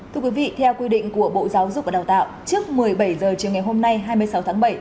thưa quý vị theo quy định của bộ giáo dục và đào tạo trước một mươi bảy h chiều ngày hôm nay hai mươi sáu tháng bảy